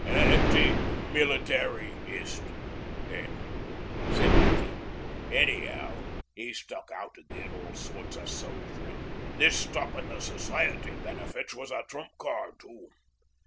'Anti military ist then,' said Beefy. 'Any'ow, 'e stuck out agin all sorts o' soldierin'. This stoppin' the Society benefits was a trump card too.